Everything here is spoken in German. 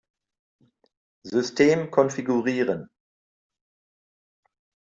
System konfigurieren.